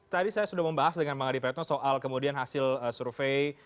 tadi saya sudah membahas dengan bang adi praetno soal kemudian hasil survei